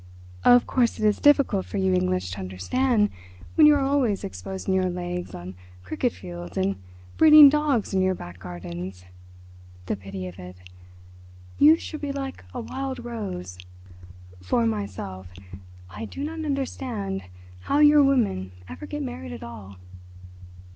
"Of course it is difficult for you English to understand when you are always exposing your legs on cricket fields, and breeding dogs in your back gardens. The pity of it! Youth should be like a wild rose. For myself I do not understand how your women ever get married at all."